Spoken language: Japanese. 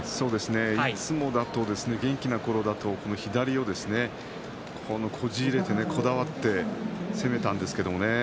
いつもだと元気なころだと左をですねこじ入れてこだわって攻めたんですけどもね。